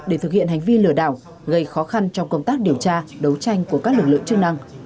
để thực hiện hành vi lừa đảo gây khó khăn trong công tác điều tra đấu tranh của các lực lượng chức năng